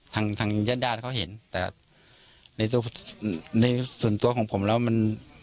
ทางญาติธรรมเขาเห็นแต่ในส่วนตัวของผมแล้วมัน